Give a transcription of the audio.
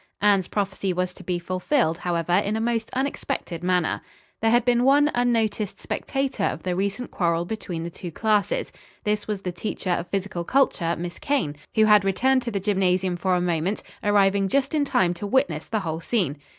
Anne's prophecy was to be fulfilled, however, in a most unexpected manner. There had been one unnoticed spectator of the recent quarrel between the two classes. This was the teacher of physical culture, Miss Kane, who had returned to the gymnasium for a moment, arriving just in time to witness the whole scene.